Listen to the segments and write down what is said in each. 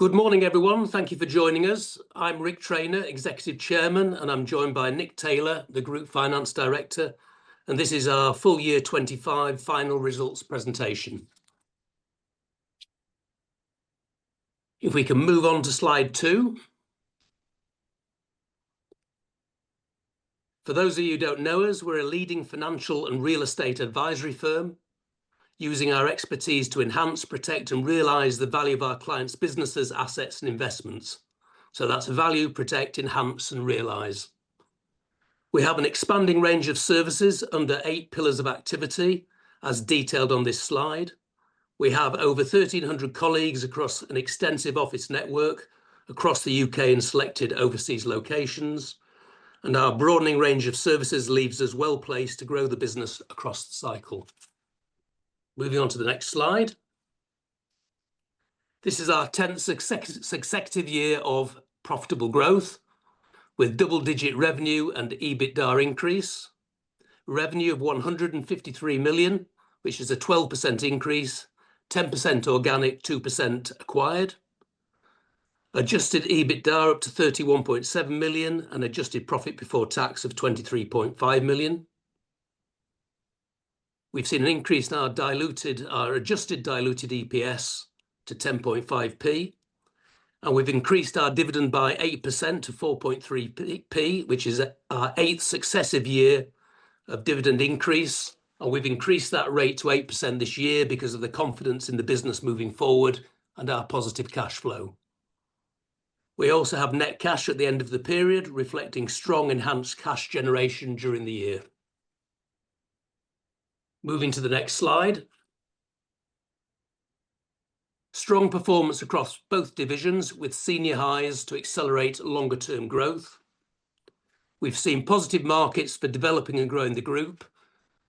Good morning everyone. Thank you for joining us. I'm Ric Traynor, Executive Chairman, and I'm joined by Nick Taylor, the Group Finance Director. This is our full year 2025 final results presentation. If we can move on to slide 2. For those of you who don't know us, we're a leading financial and real estate advisory firm using our expertise to enhance, protect, and realize the value of our clients' businesses, assets, and investments. That's value, protect, enhance, and realize. We have an expanding range of services under Eight Pillars of Activity as detailed on this slide. We have over 1,300 colleagues across an extensive office network across the U.K. and in selected overseas locations. Our broadening range of services leaves us well placed to grow the business across the cycle. Moving on to the next slide. This is our 10th consecutive year of profitable growth with double-digit revenue and EBITDA increase. Revenue of 153 million, which is a 12% increase, 10% organic, 2% acquired. Adjusted EBITDA up to 31.7 million and adjusted profit before tax of 23.5 million. We've seen an increase in our adjusted diluted EPS to 10.5p, and we've increased our dividend by 8% to 4.3p, which is our eighth successive year of dividend increase. We've increased that rate to 8% this year because of the confidence in the business moving forward and our positive cash flow. We also have net cash at the end of the period, reflecting strong enhanced cash generation during the year. Moving to the next slide, strong performance across both divisions with senior hires to accelerate longer-term growth. We've seen positive markets for developing and growing the group,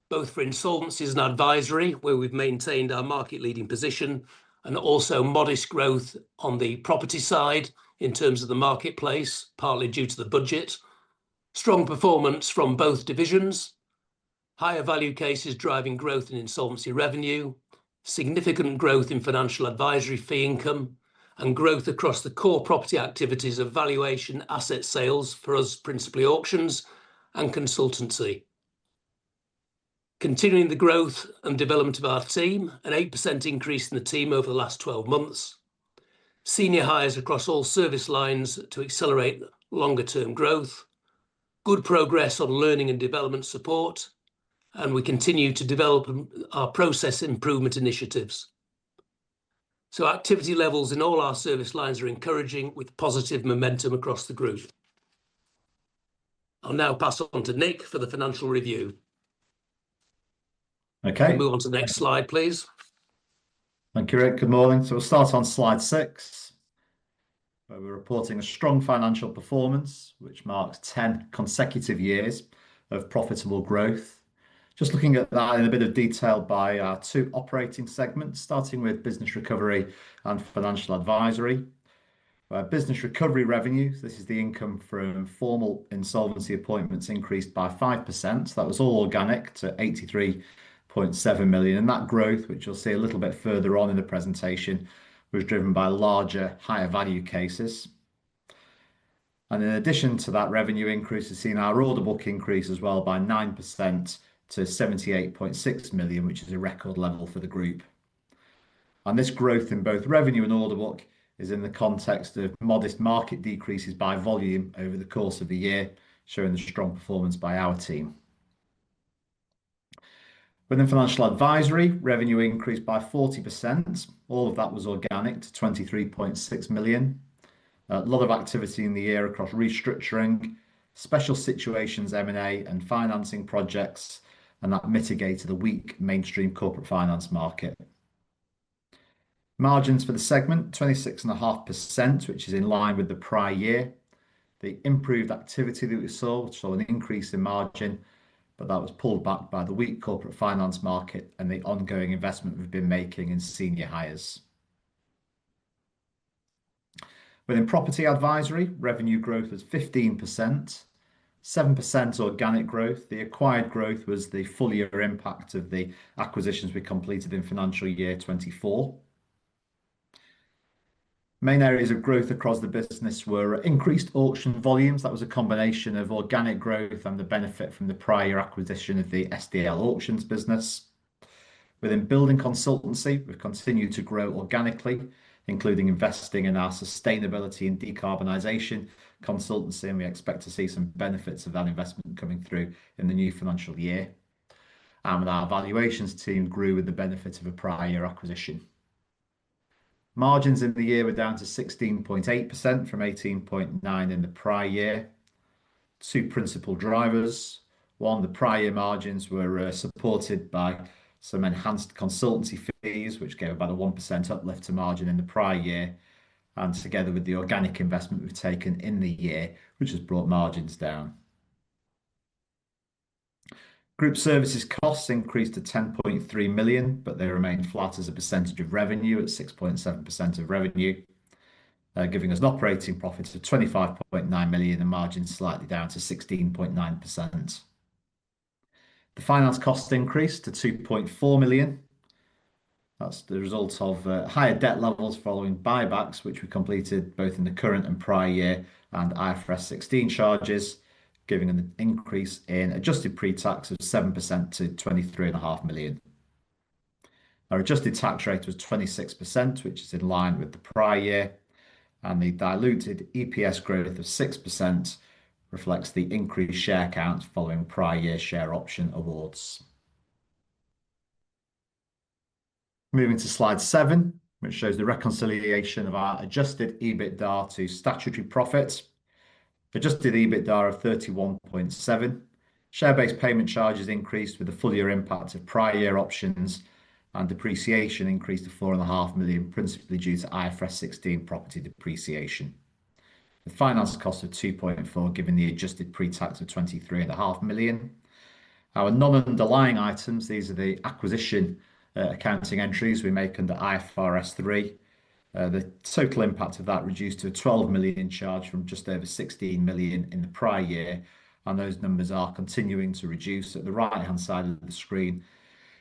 both for insolvencies and advisory, where we've maintained our market-leading position. Also, modest growth on the property side in terms of the marketplace, partly due to the budget, partly strong performance from both divisions. Higher-value cases driving growth in insolvency revenue, significant growth in financial advisory fee income, and growth across the core property activities of valuation and asset sales for us, principally auctions and consultancy. Continuing the growth and development of our team. An 8% increase in the team over the last 12 months. Senior hires across all service lines to accelerate longer-term growth. Good progress on learning and development support. We continue to develop our process improvement initiatives. Activity levels in all our service lines are encouraging with positive momentum across the group. I'll now pass on to Nick for the financial review. Okay. Move on to the next slide please. Thank you, Ric. Good morning. We'll start on slide 6 where we're reporting a strong financial performance, which marks 10 consecutive years of profitable growth. Just looking at that in a bit of detail, by our two operating segments, starting with Business Recovery and Financial Advisory. Business recovery revenues, this is the income from formal insolvency appointments, increased by 5%. That was all organic to 83.7 million. That growth, which you'll see a little bit further on in the presentation, was driven by larger, higher-value cases. In addition to that revenue increase, we've seen our order book increase as well by 9% to 78.6 million, which is a record level for the group. This growth in both revenue and order book is in the context of modest market decreases by volume over the course of the year, showing the strong performance by our team. Within Financial Advisory, revenue increased by 40%. All of that was organic to 23.6 million. A lot of activity in the year across restructuring, special situations, M&A, and financing projects. That mitigated the weak mainstream corporate finance market. Margins for the segment were 26.5%, which is in line with the prior year. The improved activity that we saw saw an increase in margin, but that was pulled back by the weak corporate finance market and the ongoing investment we've been making in senior hires. Within Property Advisory, revenue growth was 15%, 7% organic growth. The acquired growth was the full year impact of the acquisitions we completed in financial year 2024. Main areas of growth across the business were increased auction volumes. That was a combination of organic growth and the benefit from the prior year acquisition of the SDL Auctions business. Within building consultancy, we've continued to grow organically, including investing in our sustainability and decarbonization consultancy. We expect to see some benefits of that investment coming through in the new financial year. Our valuations team grew with the benefit of a prior year acquisition. Margins in the year were down to 16.8% from 18.9% in the prior year. Two principal drivers: one, the prior year margins were supported by some enhanced consultancy fees, which gave about a 1% uplift to margin in the prior year. Together with the organic investment we've taken in the year which has brought margins down, Group services costs increased to 10.3 million, but they remain flat as a percentage of revenue at 6.7% of revenue, giving us an operating profit of 25.9 million and margins slightly down to 16.9%. Finance costs increased to 2.4 million. That's the result of higher debt levels following buybacks which we completed both in the current and prior year, and IFRS 16 charges, giving an increase in adjusted profit before tax of 7% to 23.5 million. Our adjusted tax rate was 26%, which is in line with the prior year, and the diluted EPS growth of 6% reflects the increased share count following prior year share option awards. Moving to slide 7, which shows the reconciliation of our adjusted EBITDA to statutory profits. Adjusted EBITDA of 31.7 million, share-based payment charges increased with the full year impact of prior year options, and depreciation increased to 4.5 million, principally due to IFRS 16 property depreciation. The finance costs are 2.4 million, given the adjusted pre-tax of 23.5 million. Our non-underlying items are the acquisition accounting entries we make under IFRS 3. The total impact of that reduced to a 12 million charge from just over 16 million in the prior year, and those numbers are continuing to reduce. At the right-hand side of the screen,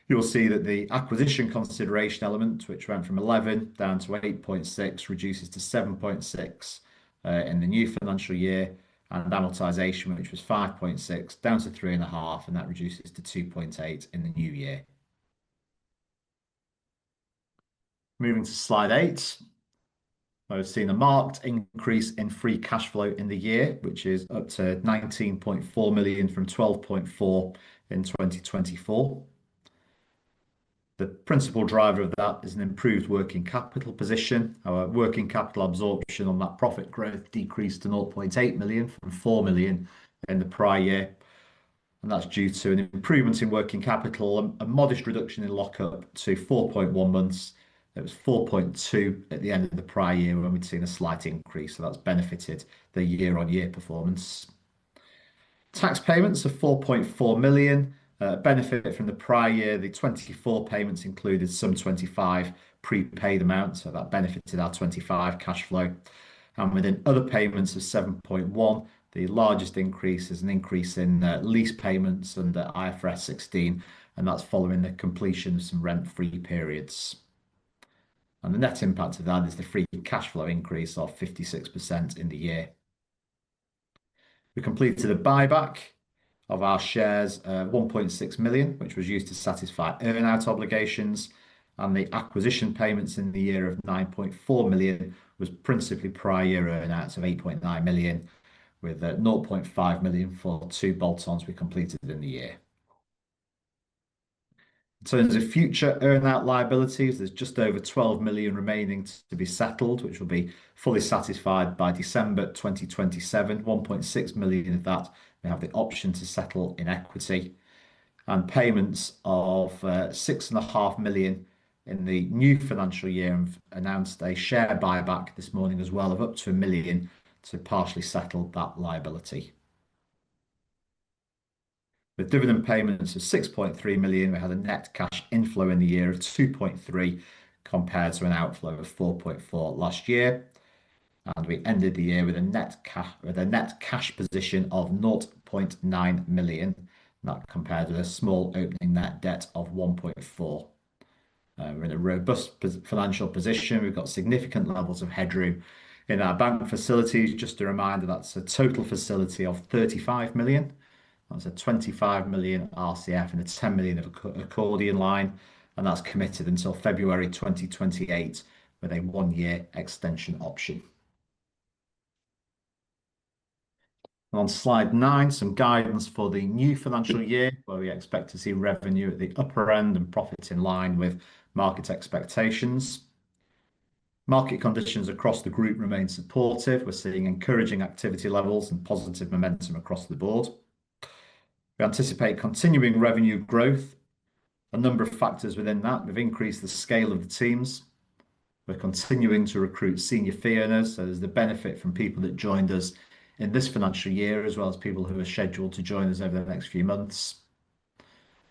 you'll see that the acquisition consideration element, which went from 11 million down to 8.6 million, reduces to 7.6 million in the new financial year, and amortization, which was 5.6 million down to 3.5 million, reduces to 2.8 million in the new year. Moving to slide 8, we've seen a marked increase in free cash flow in the year, which is up to 19.4 million from 12.4 million in 2024. The principal driver of that is an improved working capital position. Our working capital absorption on that profit growth decreased to 0.8 million from 4 million in the prior year, and that's due to an improvement in working capital, a modest reduction in lockup to 4.1 months. It was 4.2 at the end of the prior year, and we'd seen a slight increase. That's benefited the year-on-year performance. Tax payments of 4.4 million benefited from the prior year. The 2024 payments included some 2025 prepaid amounts, so that benefited our 2025 cash flow, and within other payments of 7.1 million. The largest increase is an increase in lease payments and IFRS 16, and that's following the completion of some rent-free periods, and the net impact of that is the free cash flow increase of 56% in the year. We completed a buyback of our shares, 1.6 million, which was used to satisfy earn out obligations, and the acquisition payments in the year of 9.4 million was principally prior year earn out of 8.9 million, with 0.5 million for two bolt-ons we completed in the year. In. Terms of future earn out liabilities. There's just over 12 million remaining to be settled, which will be fully satisfied by December 2027. 1.6 million of that, they have the option to settle in equity, and payments of 6.5 million in the new financial year, and announced a share buyback this morning as well of up to 1 million to partially settle that liability with dividend payments of 6.3 million. We had a net cash inflow in the year of 2.3 million compared to an outflow of 4.4 million last year. We ended the year with a net cash position of 0.9 million compared with a small opening net debt of 1.4 million. We're in a robust financial position. We've got significant levels of headroom in our bank facilities. Just a reminder, that's a total facility of 35 million. That's a 25 million RCF and 10 million of accordion line, and that's committed until February 2028 with a 1-year extension option. On slide 9, some guidance for the new financial year where we expect to see revenue at the upper end and profits in line with market expectations. Market conditions across the group remain supportive. We're seeing encouraging activity levels and positive momentum across the board. We anticipate continuing revenue growth. A number of factors within that: we've increased the scale of the teams, we're continuing to recruit senior fee earners, so there's the benefit from people that joined us in this financial year as well as people who are scheduled to join us over the next few months.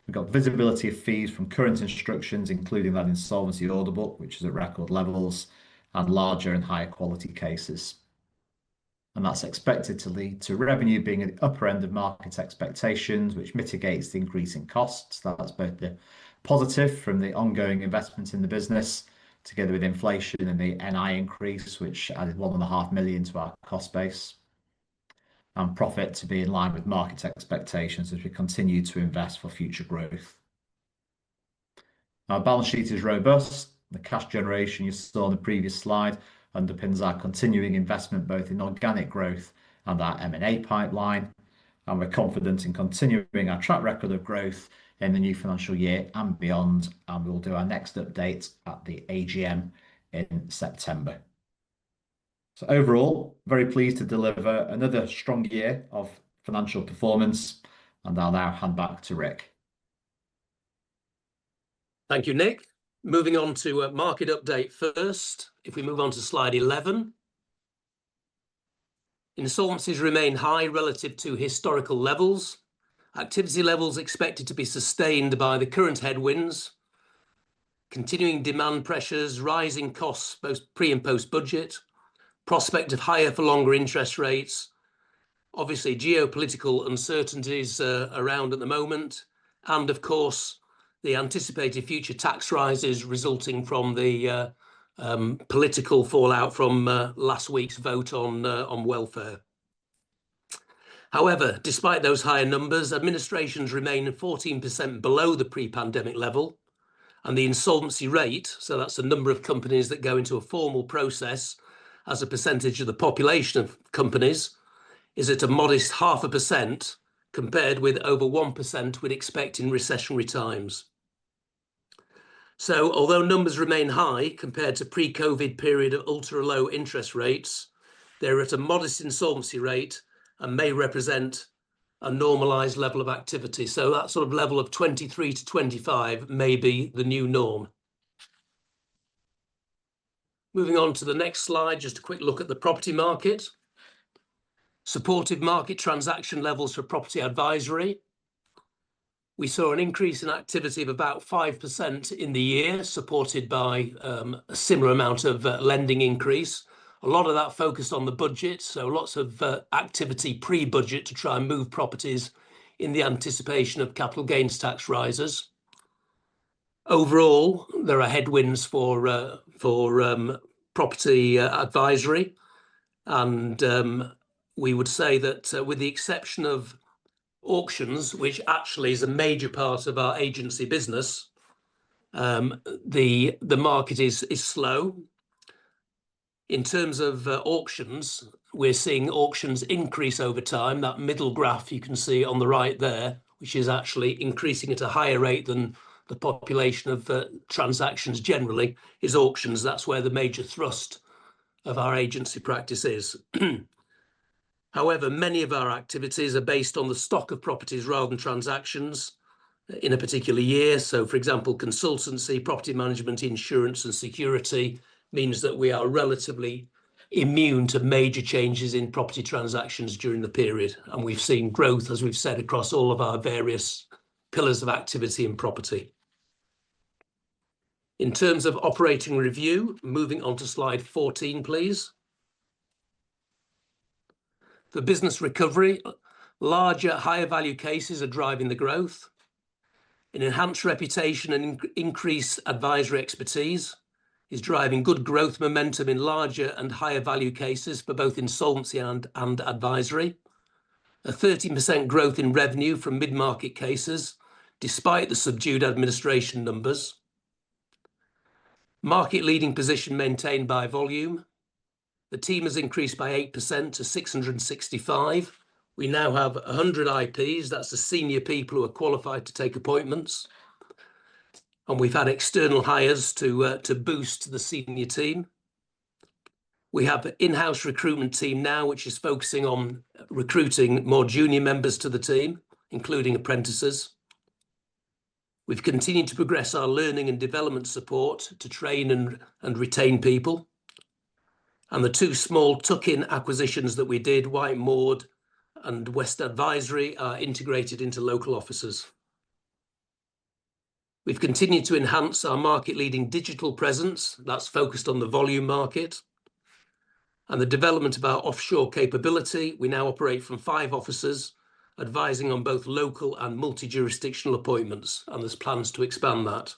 We've got visibility of fees from current instructions, including that insolvency order book, which is at record levels and larger and higher-quality cases, and that's expected to lead to revenue being at the upper end of market expectations, which mitigates the increase in costs. That's both positive from the ongoing investment in the business together with inflation and the NI increase, which added 1.5 million to our cost base, and profit to be in line with market expectations as we continue to invest for future growth. Our balance sheet is robust. The cash generation you saw the previous slide underpins our continuing investment both in organic growth and our M&A pipeline. We're confident in continuing our track record of growth in the new financial year and beyond. We'll do our next update at the AGM in September. Overall, very pleased to deliver another strong year of financial performance. I'll now hand back to Ric. Thank you, Nick. Moving on to market update, first, if we move on to slide 11, insolvencies remain high relative to historical levels. Activity levels are expected to be sustained by the current headwinds, continuing demand pressures, rising costs both pre- and post-budget, prospect of higher for longer interest rates. Obviously, geopolitical uncertainties around at the moment and, of course, the anticipated future tax rises resulting from the political fallout from last week's vote on welfare. However, despite those higher numbers, administrations remain 14% below the pre-pandemic level and the insolvency rate. That's the number of companies that go into a formal process as a percentage of the population of companies, is at a modest 0.5% compared with over 1% we'd expect in recessionary times. Although numbers remain high compared to the pre-COVID period of ultra-low interest rates, they're at a modest insolvency rate and may represent a normalized level of activity. That sort of level of 23-25 may be the new norm. Moving on to the next slide, just a quick look at the property market. Supported market transaction levels for property advisory, we saw an increase in activity of about 5% in the year, supported by a similar amount of lending increase. A lot of that focused on the budget. Lots of activity pre-budget to try and move properties in the anticipation of capital gains tax rises. Overall, there are headwinds for property advisory, and we would say that with the exception of auctions, which actually is a major part of our agency business, the market is slow. In terms of auctions, we're seeing auctions increase over time. That middle graph you can see on the right there, which is actually increasing at a higher rate than the population of transactions generally, is auctions. That's where the major thrust of our agency practice is. Many of our activities are based on the stock of properties rather than transactions in a particular year. For example, consultancy, property management, insurance, and security means that we are relatively immune to major changes in property transactions during the period. We've seen growth, as we've said, across all of our various pillars of activity in property in terms of operating review. Moving to slide 14 please, for business recovery. Larger, higher-value cases are driving the growth. An enhanced reputation and increased advisory expertise is driving good growth momentum in larger and higher-value cases for both insolvency and advisory. A 13% growth in revenue from mid-market cases. Despite the subdued administration numbers, market leading position maintained by volume. The team has increased by 8% to 665. We now have 100 IPs. That's the senior people who are qualified to take appointments. We've had external hires to boost the senior team. We have in-house recruitment team now which is focusing on recruiting more junior members to the team including apprentices. We've continued to progress our learning and development support to train and retain people and the two small tuck-in acquisitions that we did, Whitemoor and West Advisory, are integrated into local offices. We've continued to enhance our market leading digital presence that's focused on the volume market and the development of our offshore capability. We now operate from 5 offices advising on both local and multi-jurisdictional appointments and there's plans to expand that.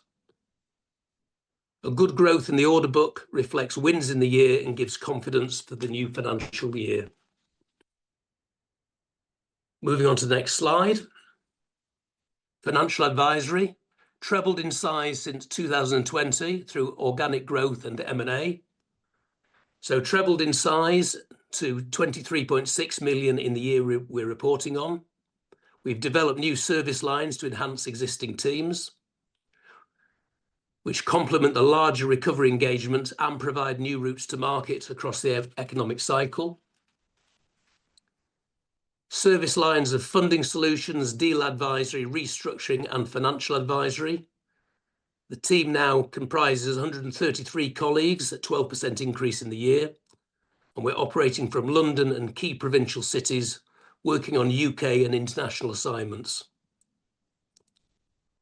A good growth in the order book reflects wins in the year and gives confidence for the new financial year. Moving on to the next slide, Financial Advisory trebled in size since 2020 through organic growth and M&A, so trebled in size to 23.6 million in the year we're reporting on. We've developed new service lines to enhance existing teams which complement the larger recovery engagement and provide new routes to market across the economic cycle. Service lines of funding solutions, deal advisory, restructuring, and financial advisory. The team now comprises 133 colleagues, a 12% increase in the year, and we're operating from London and key provincial cities working on U.K. and international assignments.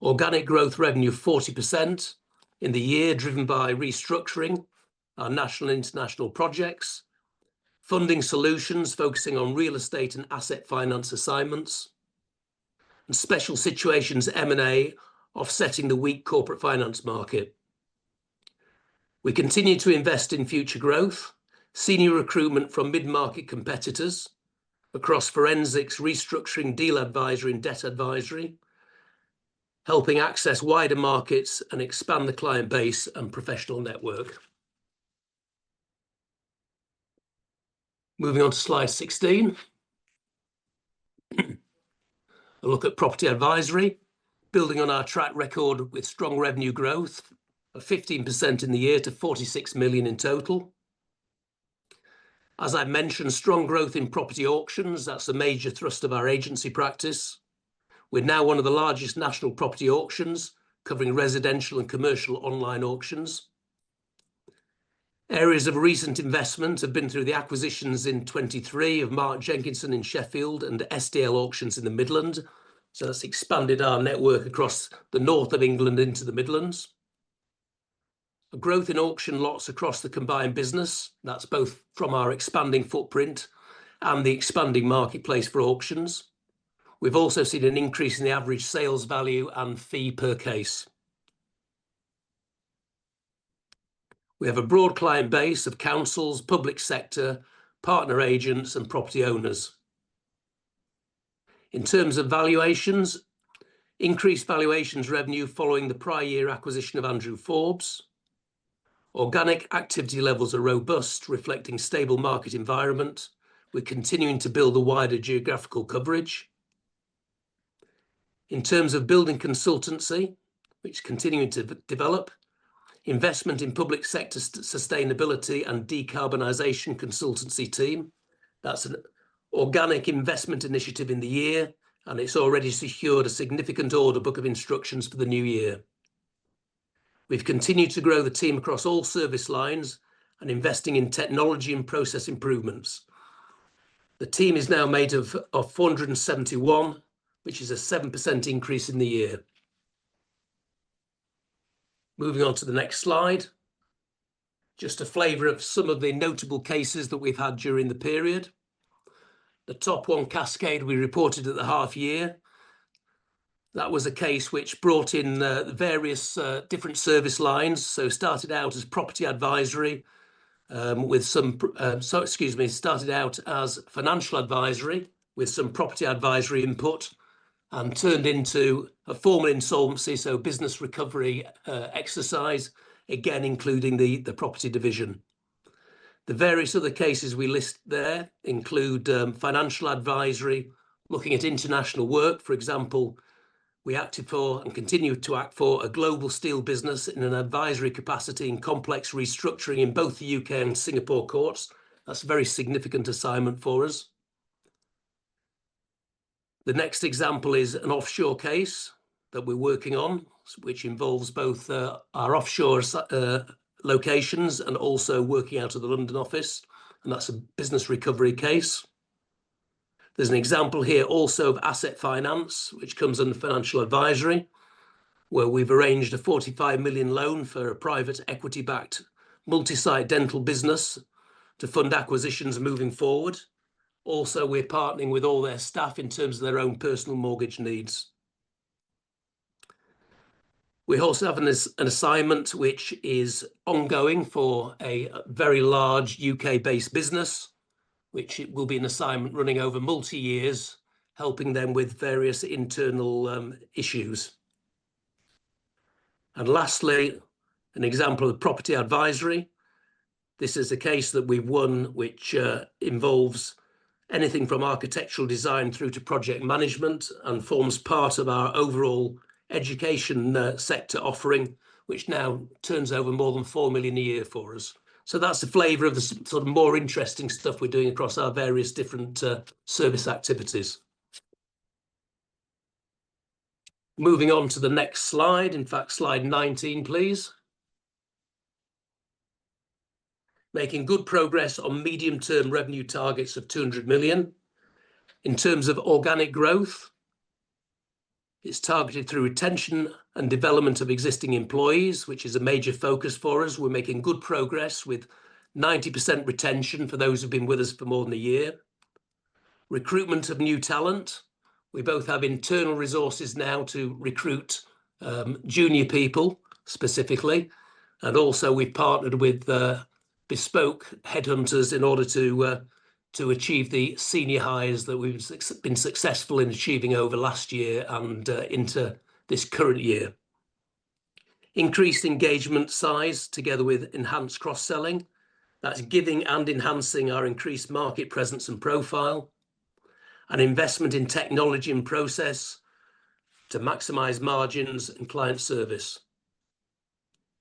Organic growth revenue 40% in the year driven by restructuring our national and international projects. Funding solutions focusing on real estate and asset finance assignments and special situations M&A. Offsetting the weak corporate finance market, we continue to invest in future growth. Senior recruitment from mid-market competitors across forensics, restructuring, deal advisory, and debt advisory helping access wider markets and expand the client base and professional network. Moving on to slide 16, a look at property advisory. Building on our track record with strong revenue growth of 15% in the year to 46 million in total. As I mentioned, strong growth in property auctions, that's a major thrust of our agency practice. We're now one of the largest national property auctions covering residential and commercial online auctions. Areas of recent investment have been through the acquisitions in 2023 of Mark Jenkinson in Sheffield and SDL Auctions in the Midlands. That's expanded our network across the north of England into the Midlands. Growth in auction lots across the combined business is both from our expanding footprint and the expanding marketplace for auctions. We've also seen an increase in the average sales value and fee per case. We have a broad client base of councils, public sector partner agents, and property owners. In terms of valuations, increased valuations revenue followed the prior year acquisition of Andrew Forbes. Organic activity levels are robust, reflecting a stable market environment. We're continuing to build a wider geographical coverage in terms of building consultancy, which continues to develop investment in public sector sustainability and decarbonisation consultancy team. That's an organic investment initiative in the year, and it's already secured a significant order book of instructions for the new year. We've continued to grow the team across all service lines and are investing in technology and process improvements. The team is now made up of 471, which is a 7% increase in the year. Moving on to the next slide, just a flavor of some of the notable cases that we've had during the period. The top one, Cascade, we reported at the half year. That was a case which brought in various different service lines. It started out as financial advisory with some property advisory input and turned into a formal insolvency. A business recovery exercise again, including the property division. The various other cases we list there include financial advisory. Looking at international work, for example, we acted for and continue to act for a global steel business in an advisory capacity and complex restructuring in both the U.K. and Singapore courts. That's a very significant assignment for us. The next example is an offshore case that we're working on, which involves both our offshore locations and also working out of the London office, and that's a business recovery case. There's an example here also of asset finance which comes under financial advisory where we've arranged a 45 million loan for a private equity-backed multi-site dental business to fund acquisitions moving forward. Also, we're partnering with all their staff in terms of their own personal mortgage needs. We also have an assignment which is ongoing for a very large U.K.-based business which will be an assignment running over multiple years, helping them with various internal issues. Lastly, an example of property advisory. This is a case that we've won which involves anything from architectural design through to project management and forms part of our overall education sector offering, which now turns over more than 4 million a year for us. That's a flavor of the sort of more interesting stuff we're doing across our various different service activities. Moving on to the next slide, in fact, slide 19 please. Making good progress on medium-term revenue targets of 200 million in terms of organic growth. It's targeted through retention and development of existing employees, which is a major focus for us. We're making good progress with 90% retention for those who've been with us for more than a year. Recruitment of new talent. We both have internal resources now to recruit junior people specifically, and also we partnered with bespoke headhunters in order to achieve the senior hires that we've been successful in achieving over last year and into this current year. Increased engagement size together with enhanced cross-selling is giving and enhancing our increased market presence and profile. An investment in technology and process to maximize margins and client service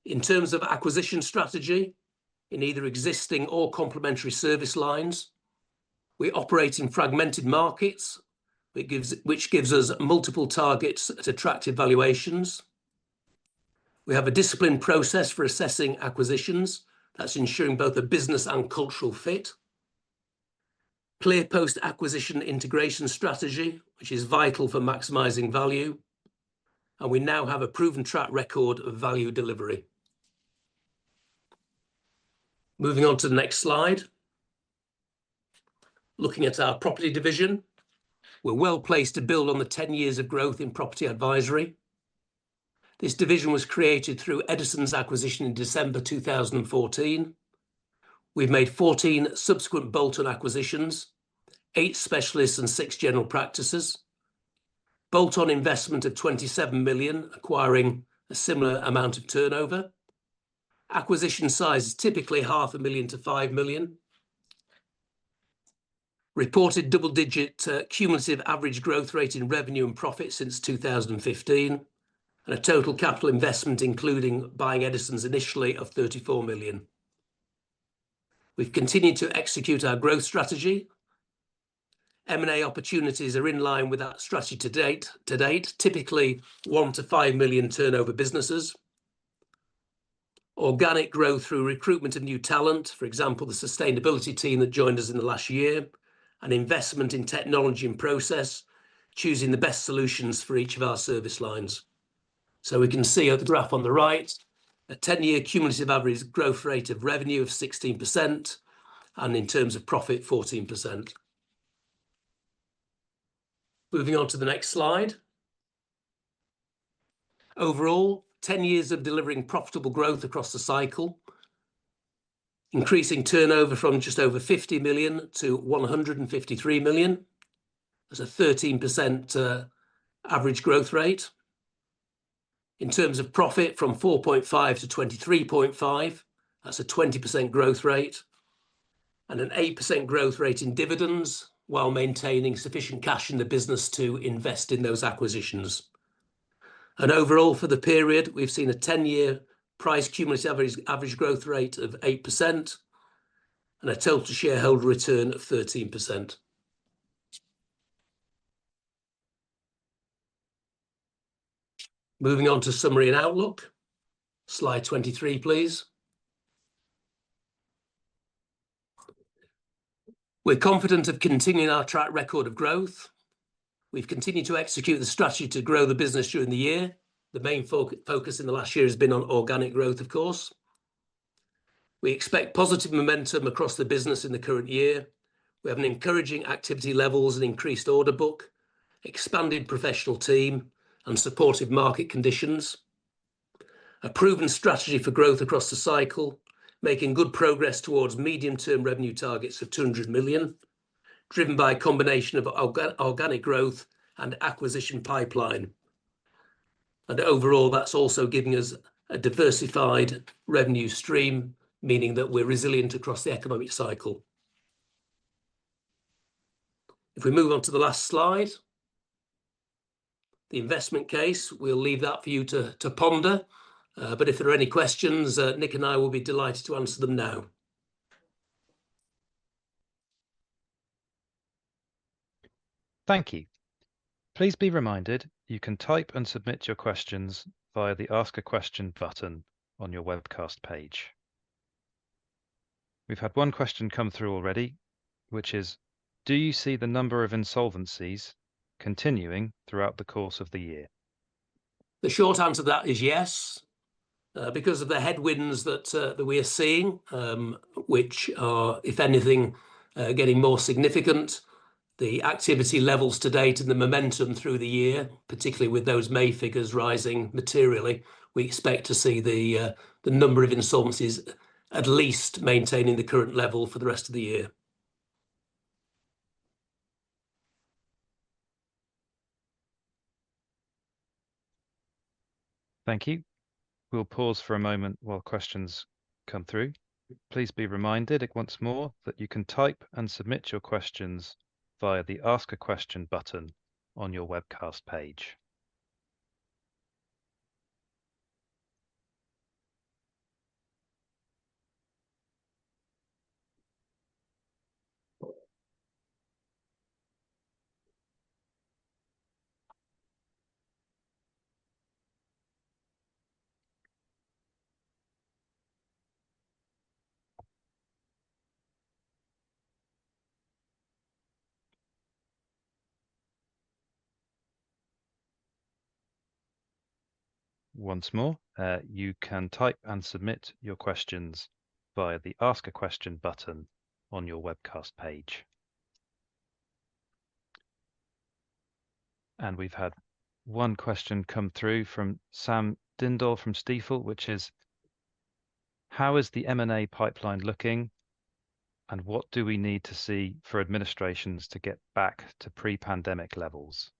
in terms of acquisition strategy in either existing or complementary service lines. We operate in fragmented markets, which gives us multiple targets at attractive valuations. We have a disciplined process for assessing acquisitions that's ensuring both a business and cultural fit. Clear post-acquisition integration strategy, which is vital for maximizing value. We now have a proven track record of value delivery. Moving on to the next slide. Looking at our property division, we're well placed to build on the 10 years of growth in property advisory. This division was created through Eddisons acquisition in December 2014. We've made 14 subsequent bolt-on acquisitions, 8 specialists and 6 general practices. Bolt-on investment at 27 million, acquiring a similar amount of turnover. Acquisition size is typically 500,000-5 million. Reported double-digit cumulative average growth rate in revenue and profit since 2015 and a total capital investment including buying Eddisons initially of 34 million. We've continued to execute our growth strategy. M&A opportunities are in line with our strategy to date. Typically 1 million to 5 million turnover businesses. Organic growth through recruitment of new talent, for example, the sustainability team that joined us in the last year. An investment in technology and process, choosing the best solutions for each of our service lines. We can see the graph on the right, a 10-year cumulative average growth rate of revenue of 16% and in terms of profit 14%. Moving on to the next slide. Overall, 10 years of delivering profitable growth across the cycle, increasing turnover from just over 50 million to 153 million. That's a 13% average growth rate in terms of profit from 4.5% to 23.5%. That's a 20% growth rate and an 8% growth rate in dividends while maintaining sufficient cash in the business to invest in those acquisitions. Overall, for the period, we've seen a 10-year price cumulative average growth rate of 8% and a total shareholder return of 13%. Moving on to summary and outlook, slide 23 please. We're confident of continuing our track record of growth. We've continued to execute the strategy to grow the business during the year. The main focus in the last year has been on organic growth. Of course, we expect positive momentum across the business in the current year. We have encouraging activity levels and increased order book, expanded professional team, and supportive market conditions. A proven strategy for growth across the cycle, making good progress towards medium-term revenue targets of 200 million, driven by a combination of organic growth and acquisition pipeline. Overall, that's also giving us a diversified revenue stream, meaning that we're resilient across the economic cycle. If we move on to the last slide, the investment case, we'll leave that for you to ponder. If there are any questions, Nick and I will be delighted to answer them now. Thank you. Please be reminded you can type and submit your questions via the Ask A Question button on your webcast page. We've had one question come through already, which is do you see the number of insolvencies continuing throughout the course of the year? The short answer to that is yes. Because of the headwinds that we are seeing, which are, if anything, getting more significant, the activity levels to date and the momentum through the year, particularly with those May figures rising materially, we expect to see the number of insolvencies at least maintaining the current level for the rest of the year. Thank you. We'll pause for a moment while questions come through. Please be reminded once more that you can type and submit your questions via the Ask A Question button on your webcast page. Once more, you can type and submit your questions via the Ask A Question button on your webcast page. We've had one question come through from Sam Dindol from Stifel, which is how is the M&A pipeline looking and what do we need to see for administrations to get back to pre-pandemic levels?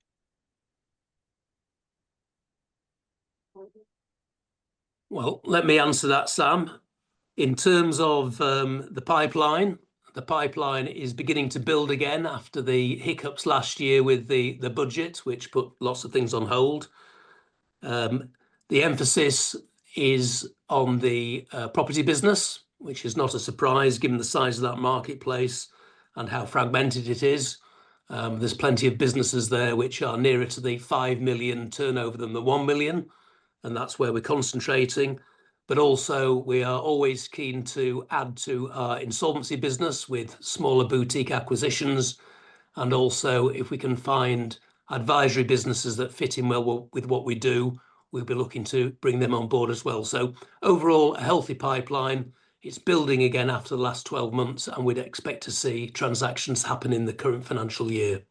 Let me answer that, Sam. In terms of the pipeline, the pipeline is beginning to build again after the hiccups last year with the budget, which put lots of things on hold. The emphasis is on the property business, which is not a surprise given the size of that marketplace and how fragmented it is. There's plenty of businesses there which are nearer to the 5 million turnover than the 1 million, and that's where we're concentrating. We are always keen to add to our insolvency business with smaller boutique acquisitions. If we can find advisory businesses that fit in well with what we do, we'll be looking to bring them on board as well. Overall, a healthy pipeline is building again after the last 12 months, and we'd expect to see transactions happen in the current financial year.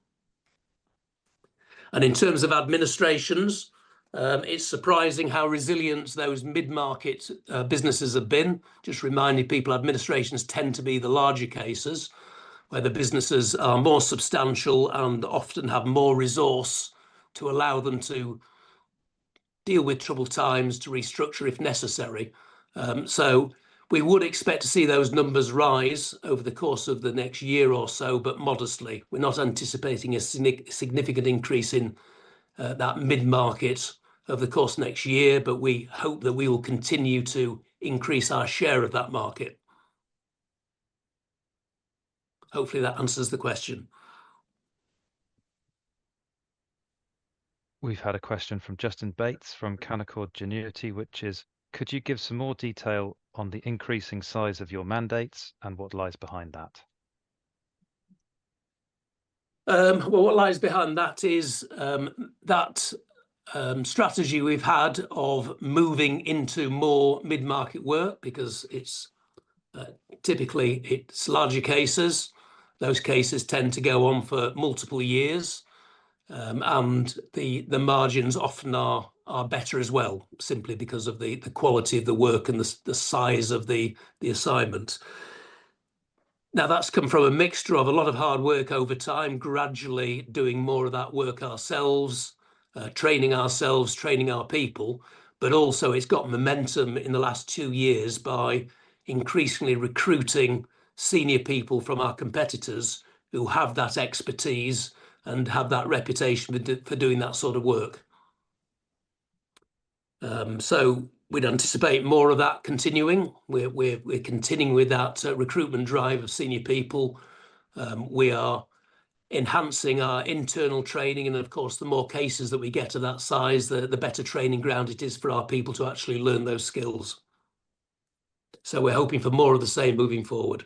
In terms of administrations, it's surprising how resilient those mid-market businesses have been. Just reminding people, administrations tend to be the larger cases where the businesses are more substantial and often have more resource to allow them to deal with troubled times, to restructure if necessary. We would expect to see those numbers rise over the course of the next year or so, but modestly. We're not anticipating a significant increase in that mid-market over the course of next year, but we hope that we will continue to increase our share of that market. Hopefully that answers the question. We've had a question from Justin Bates from Canaccord Genuity, which is, could you give some more detail on the increasing size of your mandates and what lies behind that? That strategy we've had of moving into more mid-market work is behind that because it's typically larger cases. Those cases tend to go on for multiple years, and the margins often are better as well, simply because of the quality of the work and the size of the assignment. That's come from a mixture of a lot of hard work over time, gradually doing more of that work ourselves, training ourselves, training our people. It's got momentum in the last 2 years by increasingly recruiting senior people from our competitors who have that expertise and have that reputation for doing that sort of work. We'd anticipate more of that continuing. We're continuing with that recruitment drive of senior people. We are enhancing our internal training, and of course, the more cases that we get of that size, the better training ground it is for our people to actually learn those skills. We're hoping for more of the same moving forward.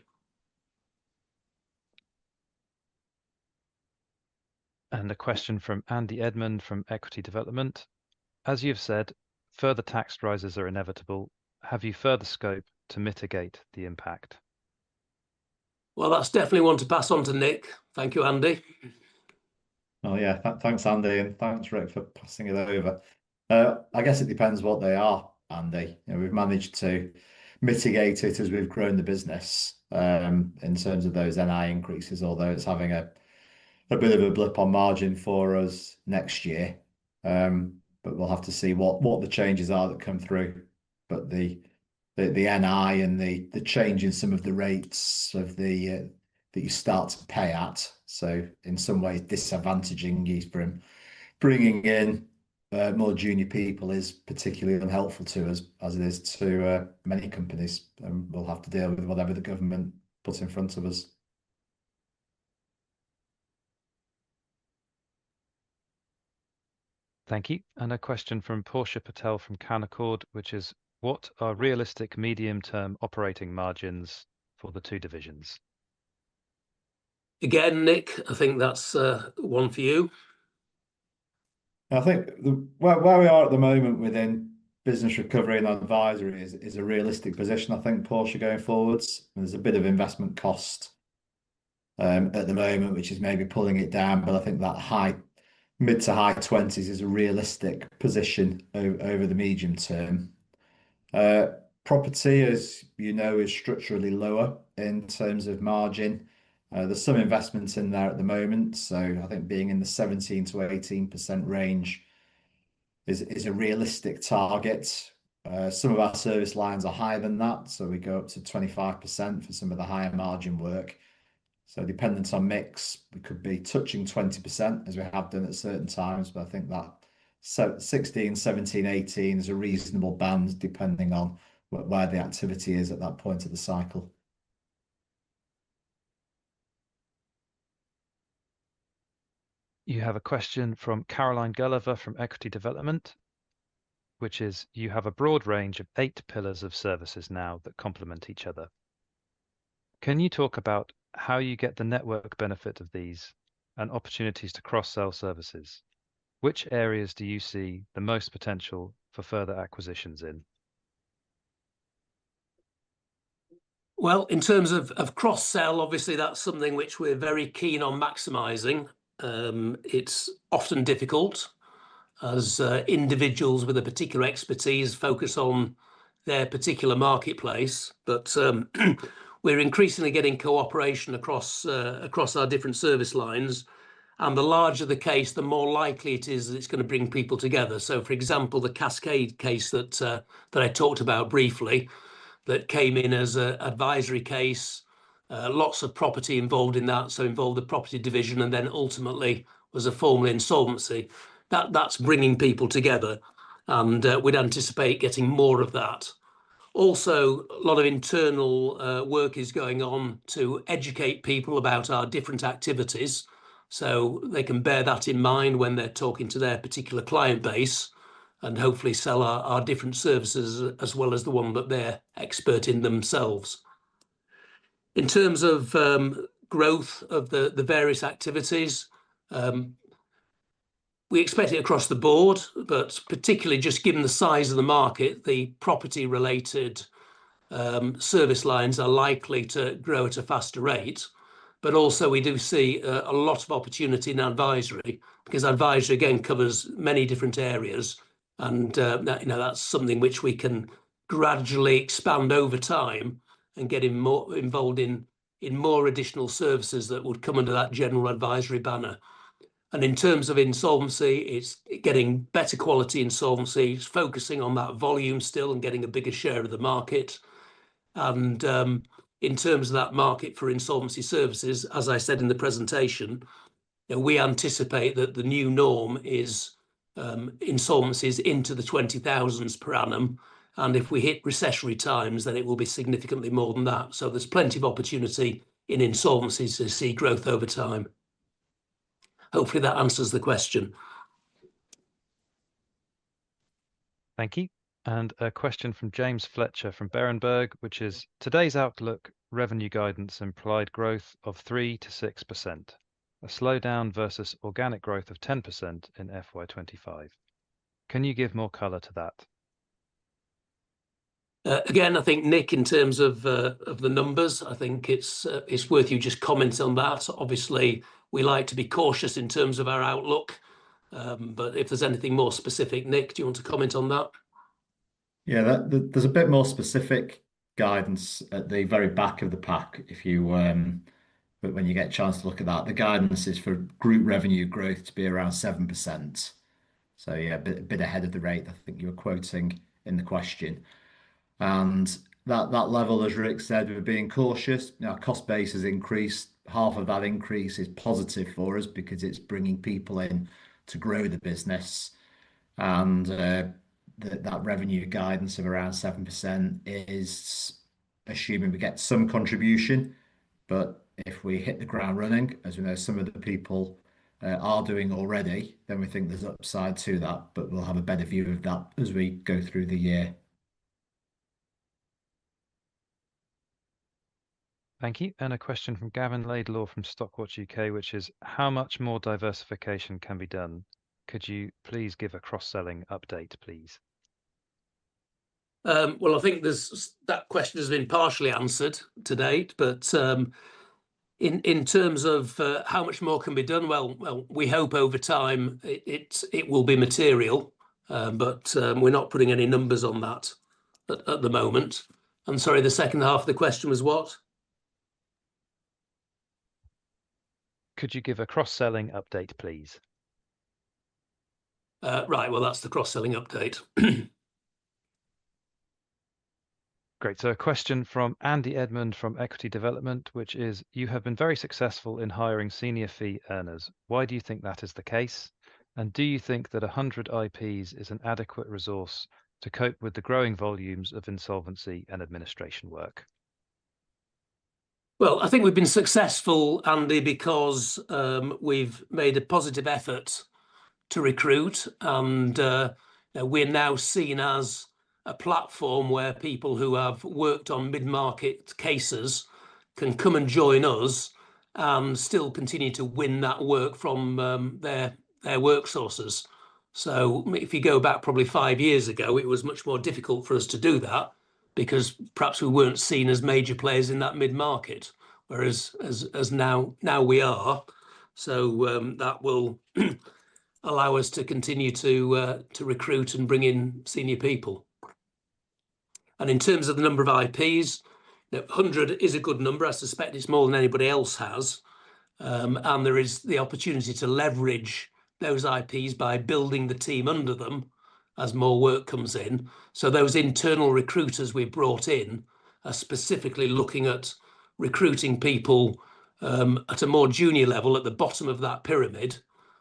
A question from Andy Edmond from Equity Development. As you've said, further tax rises are inevitable. Have you further scope to mitigate the impact? That's definitely one to pass on to Nick. Thank you, Andy. Oh yeah, thanks Andy. Thanks Ric, for passing it over. I guess it depends what they are, Andy. We've managed to mitigate it as we've grown the business in terms of those NI increases, although it's having a bit of a blip on margin for us next year. We'll have to see what the changes are that come through. The NI and the change in some of the rates that you start to pay at, in some ways disadvantaging us, bringing in more junior people is particularly unhelpful to us as it is to many companies, and we'll have to deal with whatever the government puts in front of us. Thank you. A question from Portia Patel from Canaccord, which is what are realistic medium-term operating margins for the two divisions? Again, Nick, I think that's one for you. I think where we are at the moment within business recovery and advisory is a realistic position. I think, going forwards, there's a bit of investment cost. At the moment. Which is maybe pulling it down, but I think that high, mid-high 20% is a realistic position over the medium-term. Property, as you know, is structurally lower in terms of margin. There's some investments in there at the moment. I think being in the 17%-18% range is a realistic target. Some of our service lines are higher than that, we go up to 25% for some of the higher-margin work. Dependent on mix, we could be touching 20% as we have done at certain times. I think that 16%, 17%, 18% is a reasonable band depending on where the activity is at that point of the cycle. You have a question from Caroline Gulliver from Equity Development, which is you have a broad range of 8 Pillars of Services now that complement each other. Can you talk about how you get the network benefit of these and opportunities to cross sell services? Which areas do you see the most potential for further acquisitions in? In terms of cross sell, obviously that's something which we're very keen on maximizing. It's often difficult as individuals with a particular expertise focus on their particular marketplace. We're increasingly getting cooperation across our different service lines, and the larger the case, the more likely it is that it's going to bring people together. For example, the Cascade case that I talked about briefly, that came in as an advisory case, had lots of property involved in that, so it involved a property division and then ultimately was a formal insolvency. That's bringing people together, and we'd anticipate getting more of that. Also, a lot of internal work is going on to educate people about our different activities so they can bear that in mind when they're talking to their particular client base and hopefully sell our different services as well as the one that they're expert in themselves. In terms of growth of the various activities, we expect it across the board, particularly just given the size of the market, the property related service lines are likely to grow at a faster rate. We do see a lot of opportunity in advisory because advisory again covers many different areas, and that's something which we can gradually expand over time and get involved in more additional services that would come under that general advisory banner. In terms of insolvency, it's getting better quality insolvency, focusing on that volume still and getting a bigger share of the market. In terms of that market for insolvency services, as I said in the presentation, we anticipate that the new norm is insolvencies into the 20,000s per annum, and if we hit recessionary times then it will be significantly more than that. There's plenty of opportunity in insolvency to see growth over time. Hopefully that answers the question. Thank you. A question from James Fletcher from Berenberg, which is today's outlook revenue guidance. Implied growth of 3% to 6%, a slowdown versus organic growth of 10% in FY 2025. Can you give more color to that? Again, I think, Nick, in terms of the numbers, I think it's worth you just comment on that. Obviously, we like to be cautious in terms of our outlook, but if there's anything more specific. Nick, do you want to comment on that? Yeah, there's a bit more specific guidance at the very back of the pack when you get a chance to look at that. The guidance is for group revenue growth to be around 7%. Yeah, a bit ahead of the rate I think you're quoting in the question. At that level, as Ric said, we were being cautious. Our cost base has increased. Half of that increase is positive for us because it's bringing people in to grow the business. That revenue guidance of around 7% is assuming we get some contribution. If we hit the ground running, as you know, some of the people are doing already, we think there's upside to that. We'll have a better view of that as we go through the year. Thank you. A question from Gavin Laidlaw from Stockwatch UK, which is how much more diversification can be done. Could you please give a cross-selling update please? I think that question has been partially answered to date. In terms of how much more can be done, we hope over time it will be material, but we're not putting any numbers on that at the moment. I'm sorry, the second half of the question was what? Could you give a cross-selling update, please? Right, that's the cross-selling update. Great. A question from Andy Edmond from Equity Development is you have been very successful in hiring senior fee earners. Why do you think that is the case, and do you think that 100 IPs is an adequate resource to cope with the growing volumes of insolvency and administration work? I think we've been successful, Andy, because we've made a positive effort to recruit and now we're seen as a platform where people who have worked on mid-market cases can come and join us and still continue to win that work from their work sources. If you go back probably 5 years ago, it was much more difficult for us to do that because perhaps we weren't seen as major players in that mid-market, whereas now we are. That will allow us to continue to recruit and bring in senior people. In terms of the number of IPs, 100 is a good number. I suspect it's more than anybody else has, and there is the opportunity to leverage those IPs by building the team under them as more work comes in. Those internal recruiters we've brought in are specifically looking at recruiting people at a more junior level at the bottom of that pyramid,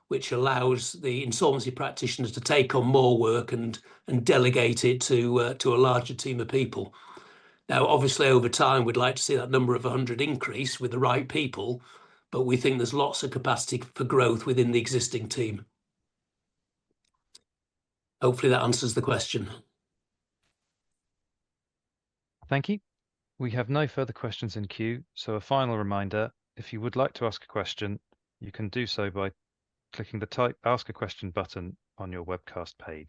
which allows the insolvency practitioners to take on more work and delegate it to a larger team of people. Obviously, over time we'd like to see that number of 100 increase with the right people, but we think there's lots of capacity for growth within the existing team. Hopefully that answers the question. Thank you. We have no further questions in queue. A final reminder, if you would like to ask a question, you can do so by clicking the Type Ask a Question button on your webcast page.